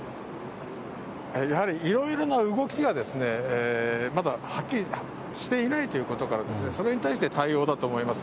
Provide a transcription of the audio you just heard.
やはりいろいろな動きが、まだはっきりしていないということから、それに対しての対応だと思います。